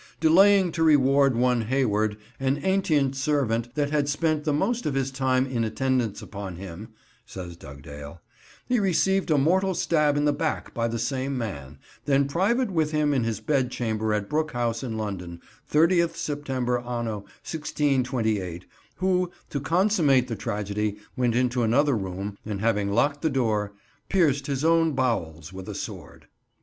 "Delaying to reward one Hayward, an antient servant that had spent the most of his time in attendance upon him," says Dugdale, "he received a mortall stab in the back by the same man, then private with him in his bed chamber at Brooke House in London, 30th Sept. ann. 1628, who, to consummate the tragedy, went into another room, and, having lockit the dore, pierced his own bowells with a sword."